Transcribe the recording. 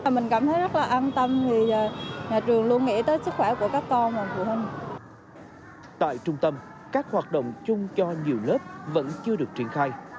tại trung tâm các hoạt động chung cho nhiều lớp vẫn chưa được triển khai